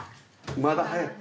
まだ早い。